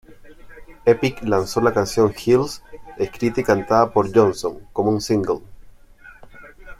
Epic lanzó la canción "Hills", escrita y cantada por Johnson, como un single.